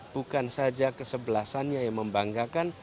bukan saja kesebelasannya yang membanggakan